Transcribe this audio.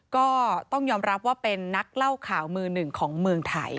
ก็ต้องยอมรับว่าเป็นนักเล่าข่าวมือหนึ่งของเมืองไทย